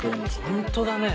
本当だね。